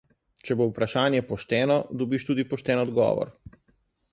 Če bo vprašanje pošteno, dobiš tudi pošten odgovor!